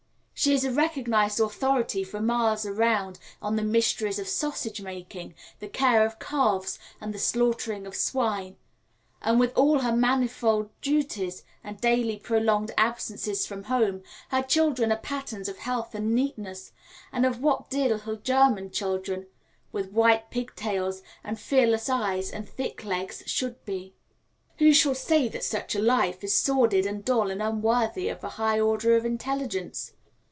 She is a recognised authority for miles around on the mysteries of sausage making, the care of calves, and the slaughtering of swine; and with all her manifold duties and daily prolonged absences from home, her children are patterns of health and neatness, and of what dear little German children, with white pigtails and fearless eyes and thick legs, should be. Who shall say that such a life is sordid and dull and unworthy of a high order of intelligence?